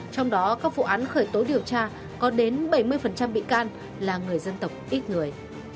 trong đó các vụ án khởi tố điều tra có đến bảy mươi bị can là người dân tộc ít người